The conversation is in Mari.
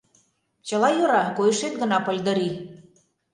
Чыла йӧра, койышет гына пыльдыри.